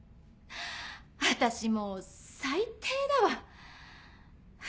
私もう最低だわ！